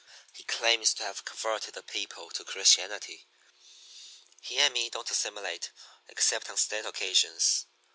He claims to have converted the people to Christianity. He and me don't assimilate except on state occasions.